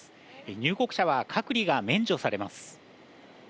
入国者は隔離が免除されます。